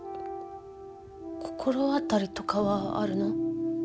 心当たりとかはあるの？